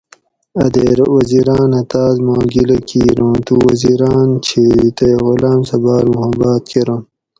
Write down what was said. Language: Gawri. اۤ دیر وزیراۤنہ تاۤس ما گِلہ کِیر اُوں تو وزیراۤن چھیری تئ غلامۤ سہۤ باۤر محباۤت کرنت